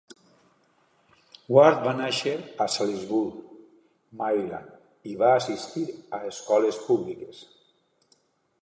Ward va néixer a Salisbury (Maryland) i va assistir a escoles públiques.